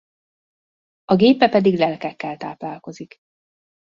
A gépe pedig lelkekkel táplálkozik.